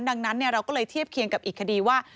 ดังนั้นเราก็เลยเทียบเคียงกับอีกคดีว่า